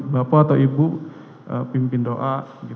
bapak atau ibu pimpin doa